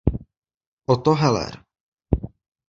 Otto Heller.